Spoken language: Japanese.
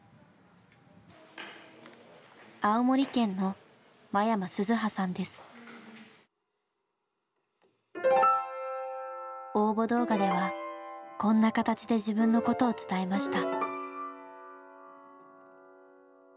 青森県の応募動画ではこんな形で自分のことを伝えました。